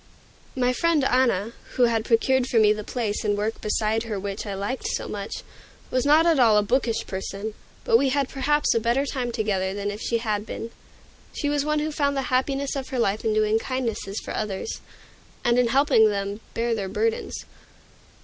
My friend Anna, who had procured for me the place and work beside her which I liked so much, was not at all a bookish person, but we had perhaps a better time together than if she had been. She was one who found the happiness of her life in doing kindnesses for others, and in helping them bear their burdens.